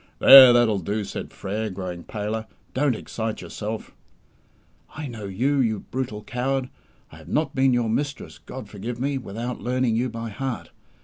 "There, that'll do," says Frere, growing paler. "Don't excite yourself." "I know you, you brutal coward. I have not been your mistress God forgive me! without learning you by heart.